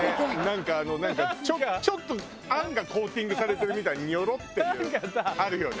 なんかあのちょっと餡がコーティングされてるみたいにニョロっていうあるよね。